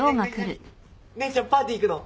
姉ちゃんパーティー行くの？